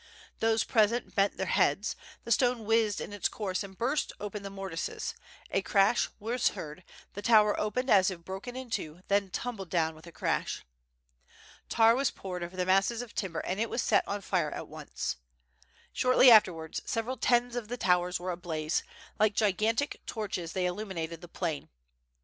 Those present bent their heads, the stone whizzed in its course and burst open the mortices; a crash was heard, the tower opened as if broken in two, then tumbled down with a crash. Tar was poured over the masses of timber and it was set on fire at once. Shortly afterwards several tens of the towers were ablazo, like gigantic torches they illumined the plain.